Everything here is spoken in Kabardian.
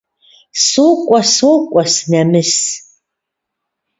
Сокӏуэ, сокӏуэ - сынэмыс.